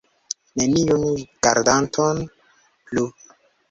Neniun gardanton plu!